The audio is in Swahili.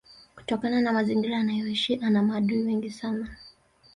kutokana na mazingira anayoishi ana maadui wengi sana